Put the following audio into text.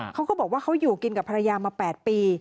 เขาก็บอกว่าเขาอยู่กินกับภรรยามา๘ปี